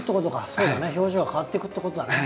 そうだね表情が変わっていくってことだね。